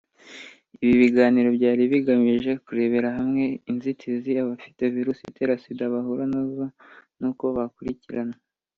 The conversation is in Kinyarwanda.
Ibi biganiro byari bigamije kurebera hamwe inzitizi abafite virusi itera sida bahura nazo n’uko bakurikiranwa